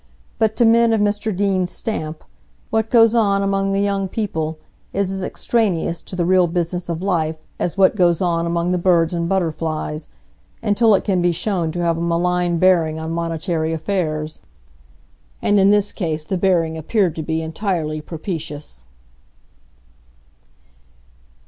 But to men of Mr Deane's stamp, what goes on among the young people is as extraneous to the real business of life as what goes on among the birds and butterflies, until it can be shown to have a malign bearing on monetary affairs. And in this case the bearing appeared to be entirely propitious.